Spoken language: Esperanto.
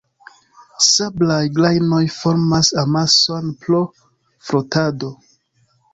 Sablaj grajnoj formas amason pro frotado.